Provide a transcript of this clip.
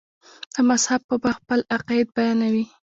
د مذهب په باب خپل عقاید بیانوي.